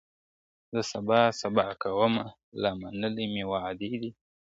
زه سبا سبا کومه لا منلي مي وعدې دي ,